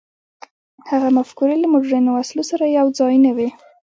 هغه مفکورې له مډرنو وسلو سره یو ځای نه وې.